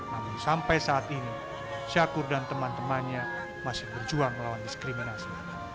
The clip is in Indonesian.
namun sampai saat ini syakur dan teman temannya masih berjuang melawan diskriminasi